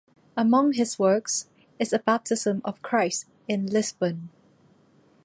Among his works is a "Baptism of Christ" in Lisbon.